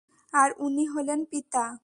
আর উনি হলেন পিতা।